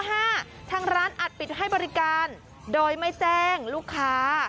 ทางร้านอัดปิดให้บริการโดยไม่แจ้งลูกค้า